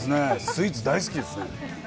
スイーツ、大好きですね。